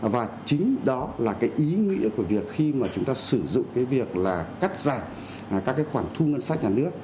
và chính đó là cái ý nghĩa của việc khi mà chúng ta sử dụng cái việc là cắt giảm các cái khoản thu ngân sách nhà nước